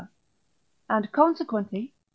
and consequently (III.